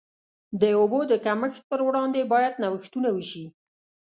د اوبو د کمښت پر وړاندې باید نوښتونه وشي.